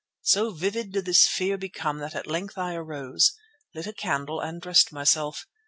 So vivid did this fear become that at length I arose, lit a candle and dressed myself.